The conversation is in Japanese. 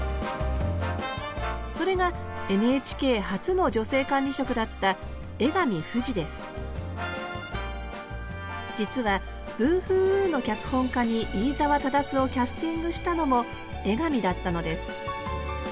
それがＮＨＫ初の女性管理職だった実は「ブーフーウー」の脚本家に飯沢匡をキャスティングしたのも江上だったのです。